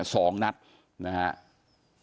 ถูกยิงเข้าที่แถวหน้าท้อง๒นัด